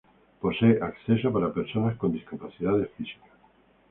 Posee acceso para personas con discapacidades físicas.